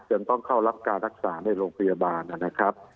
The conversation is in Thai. ต้องเข้ารับการรักษาในโรงพยาบาลนะครับ